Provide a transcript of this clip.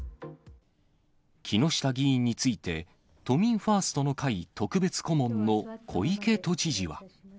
木下議員について、都民ファーストの会特別顧問の小池都知事は。